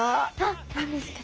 何ですか？